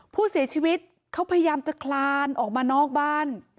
ผู้เสียชีวิตเขาพยายามจะคลานออกมานอกบ้าน